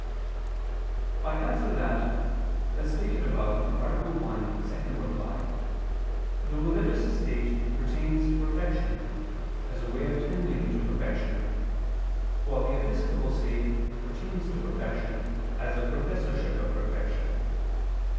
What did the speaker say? I answer that, As stated above (A. 1, ad 2) the religious state pertains to perfection, as a way of tending to perfection, while the episcopal state pertains to perfection, as a professorship of perfection.